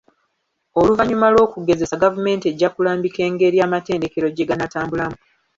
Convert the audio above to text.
Oluvanyuma lw'okugezesa gavumenti ejja kulambika engeri amatendekero gye ganaatambulamu.